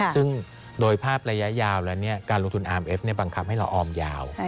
ซึ่งโดยภาพระยะยาวแล้วการลงทุนอาร์มเอฟบังคับให้เราออมยาว